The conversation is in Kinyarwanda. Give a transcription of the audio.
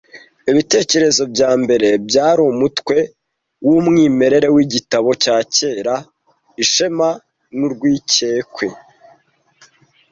Ibitekerezo Byambere byari umutwe wumwimerere w'igitabo cya kera Ishema n'Urwikekwe